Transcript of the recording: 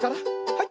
はい。